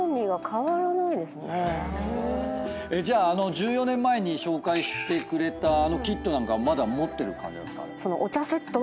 じゃあ１４年前に紹介してくれたあのキットなんかはまだ持ってる感じなんすか？